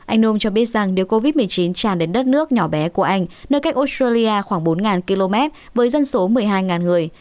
anh nom cho biết rằng nếu covid một mươi chín tràn đến đất nước nhỏ bé của anh nơi cách australia khoảng bốn km với dân số một mươi hai người